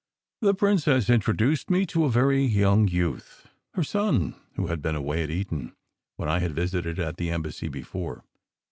The princess introduced me to a very young youth, her son, who had been away at Eton when I had visited at the embassy before.